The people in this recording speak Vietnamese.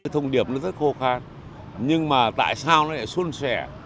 thông điệp nó rất khô khát nhưng mà tại sao nó lại xuân xẻ